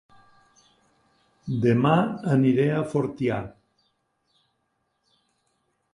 Dema aniré a Fortià